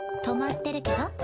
止まってるけど？